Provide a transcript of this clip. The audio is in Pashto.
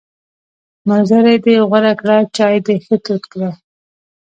ملګری دې غوره کړه، چای دې ښه تود کړه!